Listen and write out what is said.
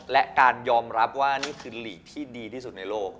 และการยอมรับว่านี่คือหลีกที่ดีที่สุดในโลก